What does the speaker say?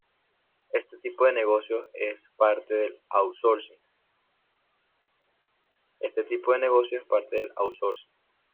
Este tipo de negocio es parte del "outsourcing".